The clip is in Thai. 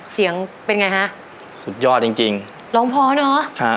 เสียงเป็นไงฮะสุดยอดจริงจริงร้องเพราะเนอะ